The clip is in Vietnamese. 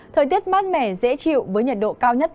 thời tiết mát mẻ dễ chịu với nhiệt độ cao nhất